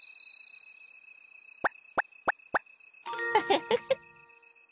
フフフフ。